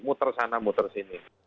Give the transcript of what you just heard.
muter sana muter sini